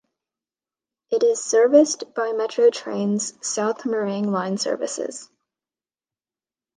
It is serviced by Metro Trains' South Morang line services.